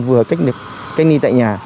vừa cách ly tại nhà